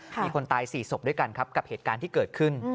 มีคนตาย๔ศพด้วยกันครับกับเหตุการณ์ที่เกิดขึ้น